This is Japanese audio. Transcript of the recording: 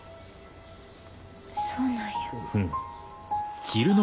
そうなんや。